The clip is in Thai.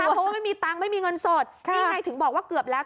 เพราะว่าไม่มีตังค์ไม่มีเงินสดนี่ไงถึงบอกว่าเกือบแล้ว